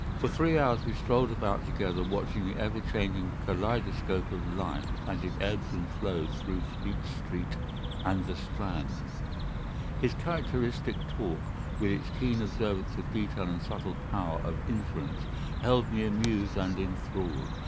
For three hours we strolled about together, watching the ever changing kaleidoscope of life as it ebbs and flows through Fleet Street and the Strand. Holmes had shaken off his temporary ill humour, and his characteristic talk, with its keen observance of detail and subtle power of inference held me amused and enthralled.